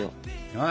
はい。